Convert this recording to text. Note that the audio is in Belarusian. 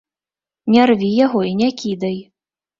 Не рві яго і не кідай.